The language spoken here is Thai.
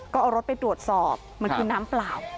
ก็เอารถไปตรวจสอบมันคือน้ำเปล่า